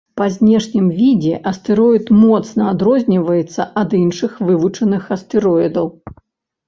Па знешнім відзе астэроід моцна адрозніваецца ад іншых вывучаных астэроідаў.